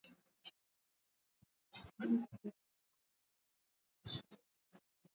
Watu ishirini na nne wafariki katika mafuriko Uganda